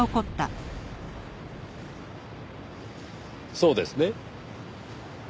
そうですね？